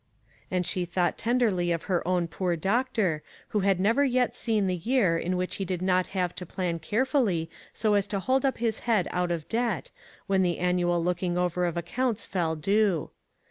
And she thought tenderly of her own poor doctor, who had never yet seen the year in which he did not have to plan carefully so as to hold up his head out of debt, when the annual looking over of accounts fell due.